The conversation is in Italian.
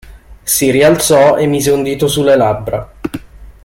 Si rialzò e mise un dito sulle labbra.